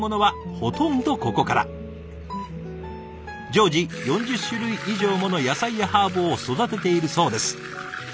常時４０種類以上もの野菜やハーブを育てているそうです。